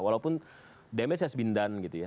walaupun damage nya sebindan gitu ya